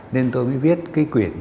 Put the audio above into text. nên tôi mới viết cái quyển